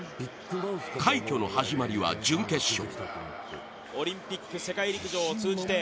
快挙の始まりは準決勝。